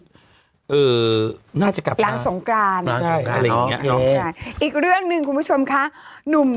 ไม่น่าจะกลับล้างสงกรานหรืออีกเรื่องนึงคุณผู้ชมค่ะหนุ่ม